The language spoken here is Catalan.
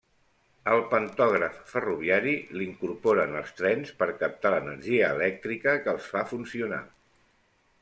El pantògraf ferroviari l'incorporen els trens per captar l'energia elèctrica que els fa funcionar.